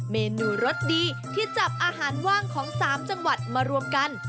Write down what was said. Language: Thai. เมนูรสดีที่จับอาหารว่างของ๓จังหวัดมารวมกัน